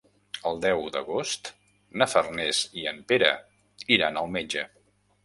El deu d'agost na Farners i en Pere iran al metge.